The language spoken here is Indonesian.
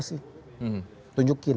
bisa harus dikunjungi